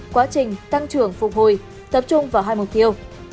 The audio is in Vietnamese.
quá trình tăng trưởng phục hồi tập trung vào hai mục tiêu